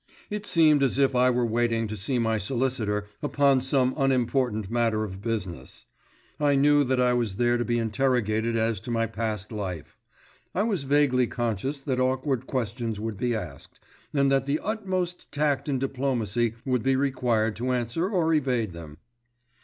It seemed much as if I were waiting to see my solicitor upon some unimportant matter of business. I knew that I was there to be interrogated as to my past life. I was vaguely conscious that awkward questions would be asked, and that the utmost tact and diplomacy would be required to answer or evade them.